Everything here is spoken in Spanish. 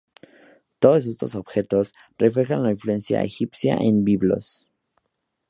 Todos estos objetos reflejan la influencia egipcia en Biblos.